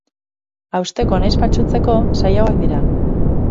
Hausteko nahiz faltsutzeko zailagoak dira.